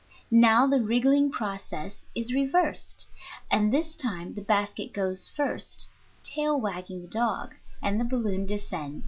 Now the wriggling process is reversed; and this time the basket goes first, "tail wagging the dog," and the balloon descends.